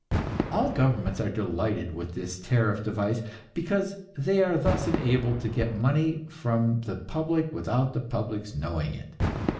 All governments are delighted with this tariff device, because they are thus enabled to get money from the public without the public's knowing it.